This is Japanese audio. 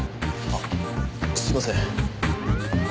あっすいません。